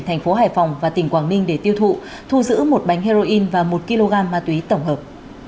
thành phố hải phòng và tỉnh quảng ninh để tiêu thụ thu giữ một bánh heroin và một kg ma túy tổng hợp